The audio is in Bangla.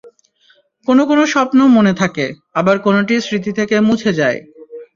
কোনো কোনো স্বপ্ন মনে থাকে, আবার কোনোটি স্মৃতি থেকে মুছে যায়।